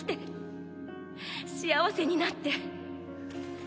幸せになって。